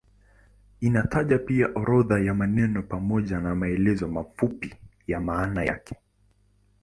Inataja pia orodha ya maneno pamoja na maelezo mafupi ya maana yake.